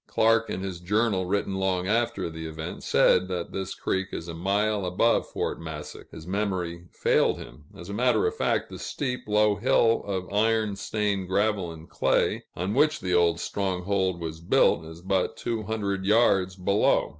Clark, in his Journal written long after the event, said that this creek is a mile above Fort Massac; his memory failed him as a matter of fact, the steep, low hill of iron stained gravel and clay, on which the old stronghold was built, is but two hundred yards below.